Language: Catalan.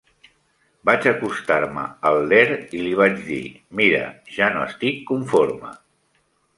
Vaig acostar-me al Ler i li vaig dir "Mira, ja no estic conforme".